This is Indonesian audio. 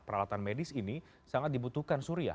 peralatan medis ini sangat dibutuhkan surya